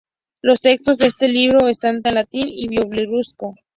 Los textos de este libro están en latín y en bielorruso.